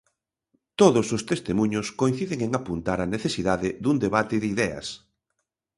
Todos os testemuños coinciden en apuntar á necesidade dun debate de ideas.